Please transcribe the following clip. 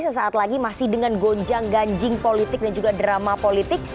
sesaat lagi masih dengan gonjang ganjing politik dan juga drama politik